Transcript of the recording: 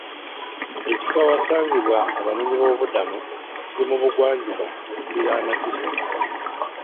Ekifo awasangibwa abanoonyiboobubudamu kiri mu bugwanjuba okuliraana disitulikiti.